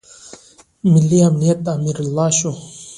ملي امنیت د امرالله شو.